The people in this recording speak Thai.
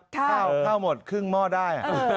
ข้าวหมดครึ่งหม้อได้